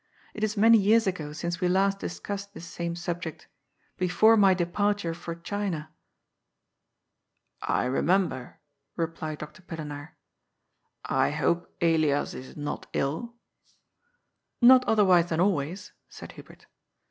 It is many years ago since we last discussed this same subject together. Before my departure for China." " I remember," replied Dr. Pillenaar. " I hope Elias is not ill." " Not otherwise than always," said Hubert.